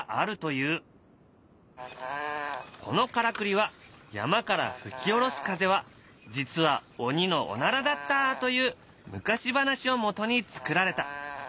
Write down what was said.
このからくりは山から吹き下ろす風は実は鬼のおならだったという昔話をもとに作られた。